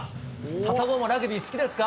サタボーもラグビー好きですか？